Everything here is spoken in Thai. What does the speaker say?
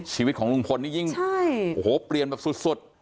ชีวิตของลุงพลนี่ยิ่งโอ้โหเปลี่ยนแบบสุด